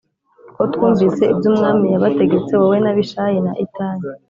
kuko twumvise ibyo umwami yabategetse wowe na Abishayi na Itayi